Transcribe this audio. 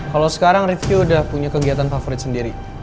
kalau sekarang rifqi udah punya kegiatan favorit sendiri